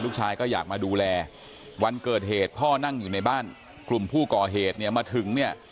ลูกชายก็อยากมาดูแลวันเกิดเหตุพ่อนั่งอยู่ในบ้านกลุ่มผู้ก่อเหตุเนี่ยมาถึงเนี่ย